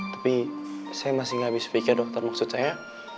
tapi saya masih gak habis pikir dokter maksud saya